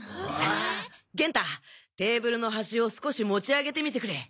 元太テーブルの端を少し持ち上げてみてくれ。